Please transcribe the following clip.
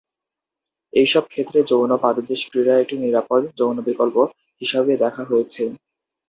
এইসব ক্ষেত্রে, যৌন পাদদেশ ক্রীড়া একটি নিরাপদ যৌন-বিকল্প হিসাবে দেখা হয়েছে।